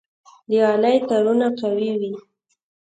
د غالۍ تارونه قوي وي.